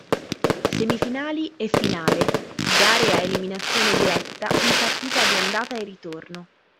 Semifinali e finale: gare a eliminazione diretta in partita di andata e ritorno.